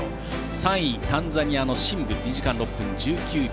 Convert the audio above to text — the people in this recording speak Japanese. ３位、タンザニアのシンブ２時間６分１９秒。